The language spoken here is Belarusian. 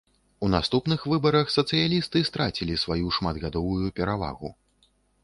У наступных выбарах, сацыялісты страцілі сваю шматгадовую перавагу.